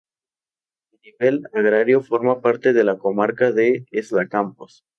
A nivel agrario forma parte de la comarca de Esla-Campos.